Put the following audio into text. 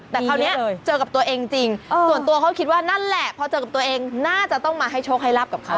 แต่คราวนี้เจอกับตัวเองจริงส่วนตัวเขาคิดว่านั่นแหละพอเจอกับตัวเองน่าจะต้องมาให้โชคให้รับกับเขา